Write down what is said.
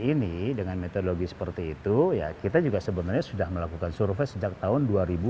ini dengan metodologi seperti itu ya kita juga sebenarnya sudah melakukan survei sejak tahun dua ribu dua